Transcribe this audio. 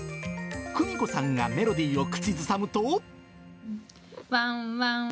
久美子さんがメロディーを口ずさむと。